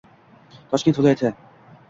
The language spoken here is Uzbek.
Toshkent viloyati